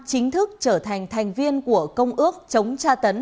chính thức trở thành thành viên của công ước chống tra tấn